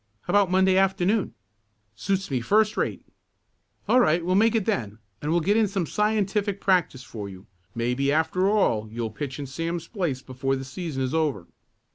"How about Monday afternoon?" "Suits me first rate." "All right, we'll make it then, and we'll get in some scientific practice for you. Maybe after all, you'll pitch in Sam's place before the season is over."